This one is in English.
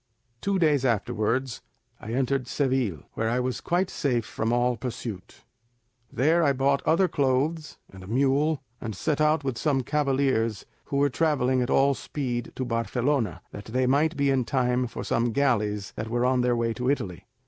Two days afterwards I entered Seville, where I was quite safe from all pursuit. "There I bought other clothes, and a mule, and set out with some cavaliers who were travelling with all speed to Barcelona, that they might be in time for some galleys that were on their way to Italy.